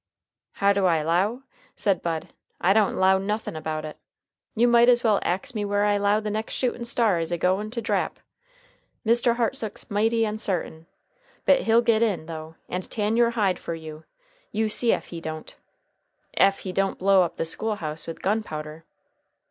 "How do I 'low?" said Bud. "I don't 'low nothin' about it. You might as well ax me where I 'low the nex' shootin' star is a goin' to drap. Mr. Hartsook's mighty onsartin. But he'll git in, though, and tan your hide fer you, you see ef he don't. Ef he don't blow up the school house with gunpowder!"